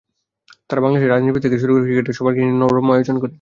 তারা বাংলাদেশের রাজনীতিবিদ থেকে শুরু করে ক্রিকেটার—সবাইকে নিয়েই রম্য আয়োজন করে।